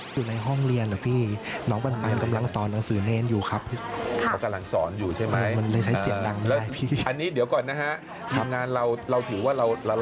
แต่เสียงซู้งอ่ะอีกครั้งนี้น้องพาไปดูกิจกรรมดีไปติดตามกันเลยค่ะ